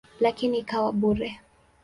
Lakini ikawa bure.